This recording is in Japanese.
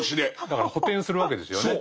だから補填するわけですよね。